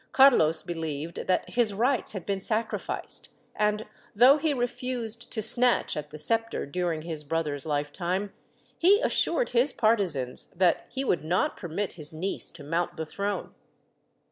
Carlos believed that his rights had been sacrificed and, though he refused to snatch at the sceptre during his brother's life time, he assured his partizans that he would not permit his neice to mount the throne.